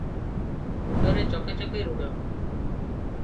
ମୁଣ୍ଡରେ ଚକେ ଚକେ ରୁଢ ।